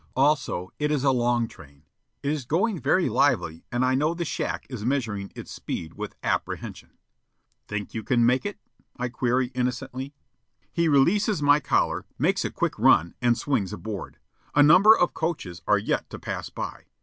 Also, it is a long train. It is going very lively, and I know the shack is measuring its speed with apprehension. "Think you can make it?" I query innocently. He releases my collar, makes a quick run, and swings aboard. A number of coaches are yet to pass by.